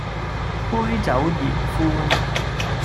杯酒言歡